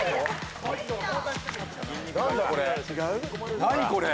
何だこれ。